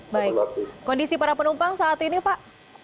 baik kondisi para penumpang saat ini pak